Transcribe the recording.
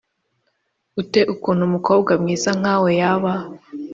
ute ukuntu umukobwa mwiza nkawe yaba